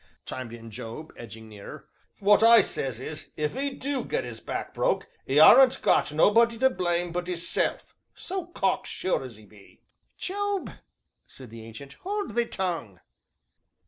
chimed in Job, edging nearer; "what I sez is, if 'e do get 'is back broke, 'e aren't got nobody to blame but 'isself so cocksure as 'e be." "Job," said the Ancient, "hold thee tongue."